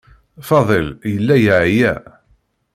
Faḍil yella yeɛya.